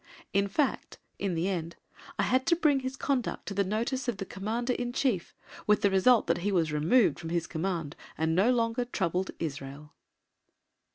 In fact, in the end, I had to bring his conduct to the notice of the Commander in Chief, with the result that he was removed from his Command and no longer troubled Israel.